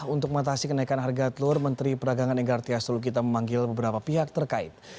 untuk mengatasi kenaikan harga telur menteri perdagangan enggar tias tulu kita memanggil beberapa pihak terkait